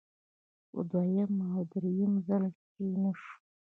په دویم او دریم ځل چې نشوه.